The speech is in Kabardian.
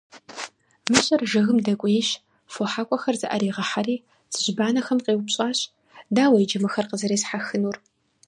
Мыщэр жыгым дэкӀуейщ, фо хьэкӀуэхэр зыӀэригъэхьэри, цыжьбанэхэм къеупщӀащ: - Дауэ иджы мыхэр къызэресхьэхынур?